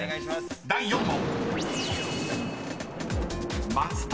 ［第４問］